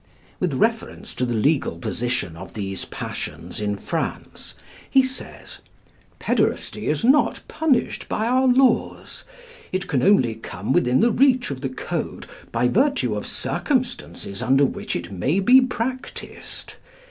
With reference to the legal position of these passions in France, he says: "Pæderasty is not punished by our laws. It can only come within the reach of the code by virtue of circumstances under which it may be practised.